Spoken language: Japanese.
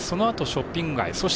そのあと、ショッピング街。